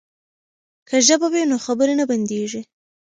که ژبه وي نو خبرې نه بندیږي.